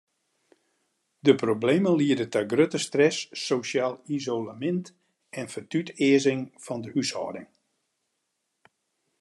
De problemen liede ta grutte stress, sosjaal isolemint en fertutearzing fan de húshâlding.